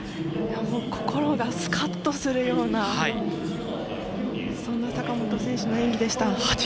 もう心がスカッとするようなそんな坂本選手の演技でした。